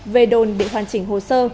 về đồn để hoàn chỉnh hồ sơ